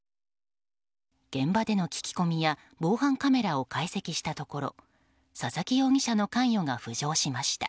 現場での聞き込みや防犯カメラを解析したところ佐々木容疑者の関与が浮上しました。